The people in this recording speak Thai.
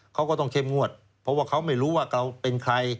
เขาก็ต้องเข้มงวดเพราะว่าเขาไม่รู้ว่าเราเป็นใคร